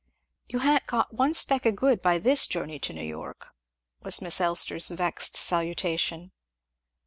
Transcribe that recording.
"You ha'n't got one speck o' good by this journey to New York," was Miss Elster's vexed salutation.